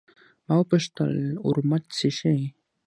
ما وپوښتل: ورموت څښې؟